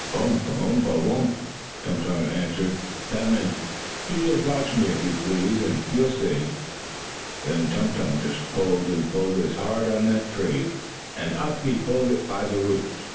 "Umph! Umph! Wumph!" Tum Tum answered. That meant: "You just watch me, if you please, and you'll see." Then Tum Tum just pulled and pulled as hard on that tree, and up he pulled it by the roots.